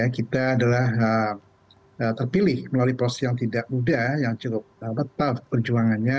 kita adalah terpilih melalui proses yang tidak mudah yang cukup ketat perjuangannya